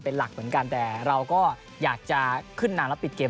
เป็นหลักเหมือนกันแต่เราก็อยากจะขึ้นนานแล้วปิดเกม